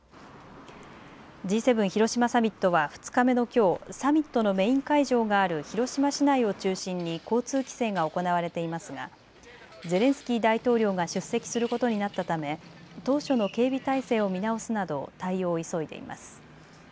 Ｇ７広島サミットは２日目のきょうサミットのメイン会場がある広島市内を中心に交通規制が行われていますがゼレンスキー大統領が出席することになったため当初の警備態勢を見直すなど対応を急いでいます。